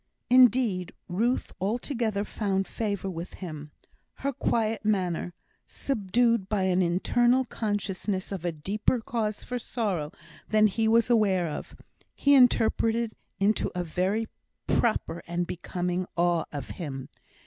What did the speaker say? Indeed, Ruth altogether found favour with him. Her quiet manner, subdued by an internal consciousness of a deeper cause for sorrow than he was aware of, he interpreted into a very proper and becoming awe of him.